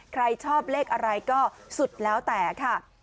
ใครชอบเลขอะไรก็สุดแล้วแต่ค่ะ